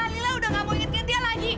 lila udah gak mau ingetin dia lagi